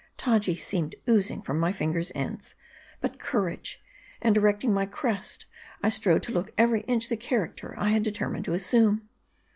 Taji seemed oozing from my fingers' ends. But courage ! and erecting my crest, I strove to look every inch the character I had determined to assume.